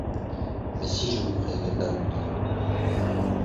Mais si je vous croyais capable de…